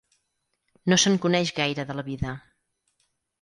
No se'n coneix gaire de la vida.